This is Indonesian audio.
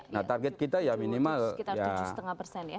nah target kita ya minimal tujuh lima persen